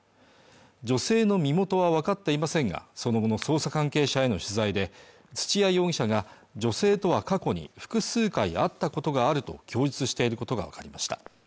女性の身元は分かっていませんがその後の捜査関係者への取材で土屋容疑者が女性とは過去に複数回会ったことがあると供述していることが分かりました